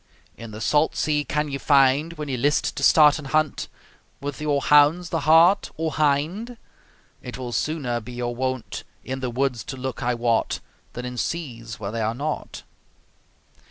In the salt sea can ye find, When ye list to start an hunt, With your hounds, the hart or hind? It will sooner be your wont In the woods to look, I wot, Than in seas where they are not.